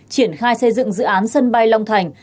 triển khai xây dựng dự án sân bay long thành